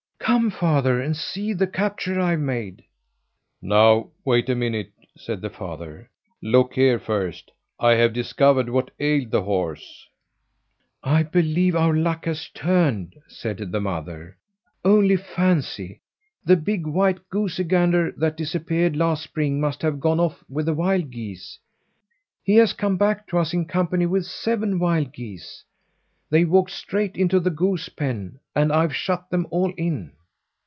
"Come, father, and see the capture I've made!" "No, wait a minute!" said the father. "Look here, first. I have discovered what ailed the horse." "I believe our luck has turned," said the mother. "Only fancy! the big white goosey gander that disappeared last spring must have gone off with the wild geese. He has come back to us in company with seven wild geese. They walked straight into the goose pen, and I've shut them all in."